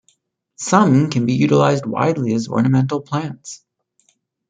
Some can be utilized widely as ornamental plants.